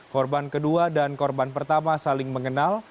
korban kedua dan korban pertama saling mengenal